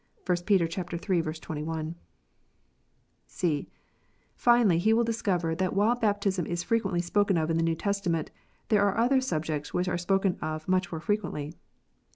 (1 Peter iii. 21.) (c) Finally, he will discover that while baptism is frequently spoken of in the New Testament, there are other subjects which are spoken of much more frequently.